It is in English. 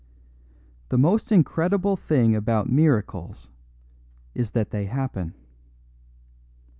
The most incredible thing about miracles is that they happen.